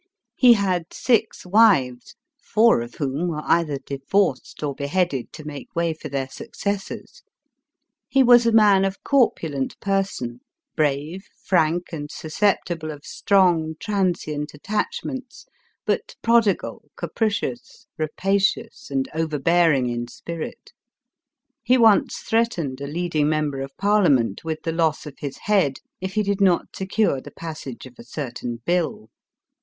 He had six wives, four of whom were cither divorced or bc .1, to make way for their successors. He was a man of corpulent person, brave, frank and susceptible <>1 >trong, transient attachments, but prodigal, capri cious, rapacious, and overbearing in spirit He once threatened a leading member of parliament with the ; his head, if he did not secure the passage of a o i tain bill.